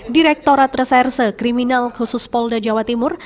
direktorat reserse kriminal khusus polda jawa timur